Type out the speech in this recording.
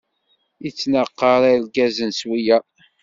Ittnaqaṛ irgazen s wiyaḍ.